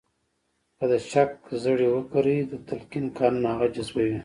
که د شک زړي وکرئ د تلقین قانون هغه جذبوي